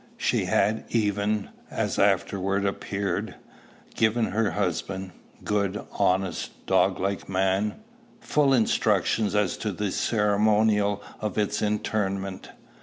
She had even, as afterwards appeared, given her husband good, honest, dog like man full instructions as to the ceremonial of its interment.